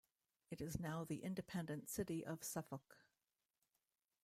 It is now the independent city of Suffolk.